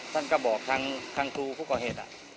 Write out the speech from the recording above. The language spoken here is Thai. ท่านก็บอกทางครูผู้ก่อเหตุ